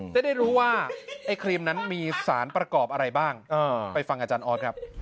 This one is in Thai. จะได้รู้ว่าไอ้ครีมนั้นมีสารประกอบอะไรบ้างไปฟังอาจารย์ออสครับ